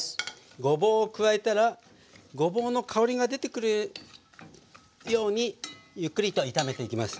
ごぼうを加えたらごぼうの香りが出てくるようにゆっくりと炒めていきます。